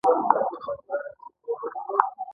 امر منل تر کومه حده واجب دي؟